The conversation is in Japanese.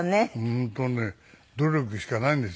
本当ね努力しかないんですよ。